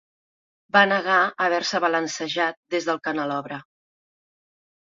Va negar haver-se balancejat des del canelobre.